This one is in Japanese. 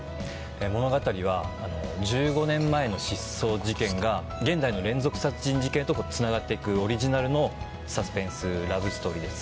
物語は１５年前の失踪事件が現代の連続殺人事件とつながっていくオリジナルのサスペンス・ラブストーリーです